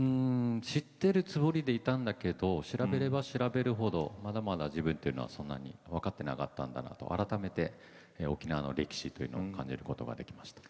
知ってるつもりでいたんだけど調べれば調べるほどまだまだ自分分かってなかったんだなと改めて沖縄の歴史というのを感じることができました。